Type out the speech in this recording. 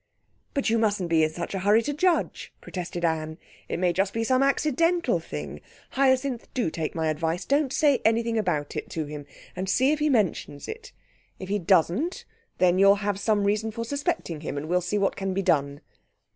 'But you mustn't be in such a hurry to judge.' protested Anne; 'it may be just some accidental thing. Hyacinth, do take my advice. Don't say anything about it to him, and see if he mentions it. If he doesn't, then you'll have some reason for suspecting him, and we'll see what can be done.'